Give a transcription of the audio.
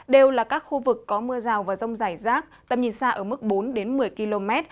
đều là các khu vực có mưa rào và rông rải rác tầm nhìn xa ở mức bốn đến một mươi km